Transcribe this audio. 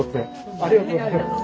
ありがとうございます。